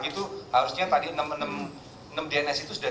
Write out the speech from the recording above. itu harusnya tadi enam dns itu sudah